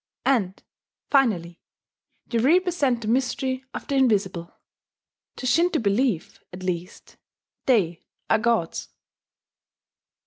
And, finally, they represent the mystery of the invisible: to Shinto belief, at least, they are gods.